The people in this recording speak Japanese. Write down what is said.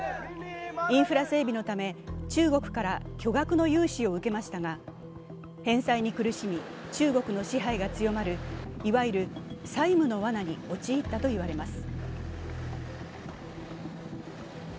インフラ整備のため中国から巨額の融資を受けましたが返済に苦しみ、中国の支配が強まるいわゆる債務のわなに陥ったといわれます。